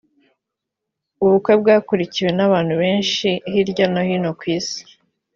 ubukwe bwakurikiwe n’abantu benshi hirya no hino ku isi